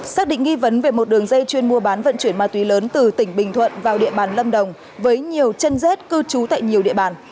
xác định nghi vấn về một đường dây chuyên mua bán vận chuyển ma túy lớn từ tỉnh bình thuận vào địa bàn lâm đồng với nhiều chân rết cư trú tại nhiều địa bàn